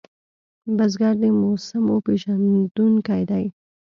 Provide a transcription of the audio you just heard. بزګر د موسمو پېژندونکی دی